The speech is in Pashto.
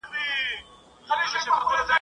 څوک د تورو له زخمونو پرزېدلي ..